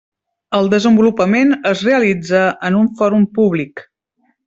El desenvolupament es realitza en un fòrum públic.